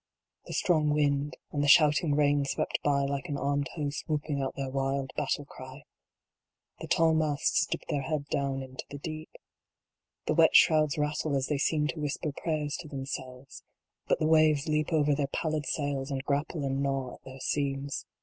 The strong wind, and the shouting rain swept by like an armed host whooping out their wild battle cry. The tall masts dip their heads down into the deep. The wet shrouds rattle as they seem to whisper prayers to themselves ; But the waves leap over their pallid sails, and grapple and gnaw at their seams.